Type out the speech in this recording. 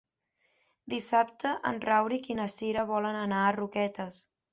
Dissabte en Rauric i na Cira volen anar a Roquetes.